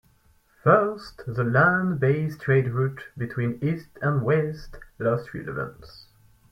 First, the land based trade route between east and west lost relevance.